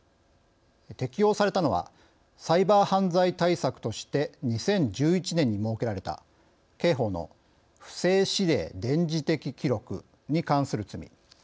適用されたのはサイバー犯罪対策として２０１１年に設けられた刑法の不正指令電磁的記録に関する罪。